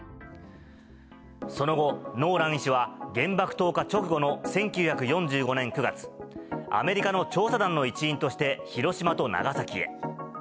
その後、ノーラン医師は、原爆投下直後の１９４５年９月、アメリカの調査団の一員として、広島と長崎へ。